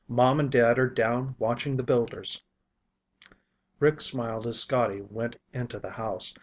Mom and Dad are down watching the builders." Rick smiled as Scotty went into the house.